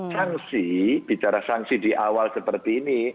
sanksi bicara sanksi di awal seperti ini